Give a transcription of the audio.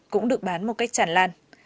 cũng được bán một cách tràn lan